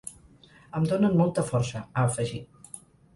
Em donen molta força, ha afegit.